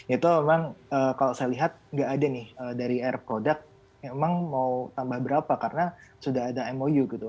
itu memang kalau saya lihat nggak ada nih dari air product memang mau tambah berapa karena sudah ada mou gitu